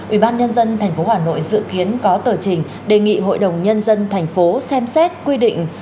ủy ban nhân dân tp hà nội dự kiến có tờ trình đề nghị hội đồng nhân dân tp xem xét quy định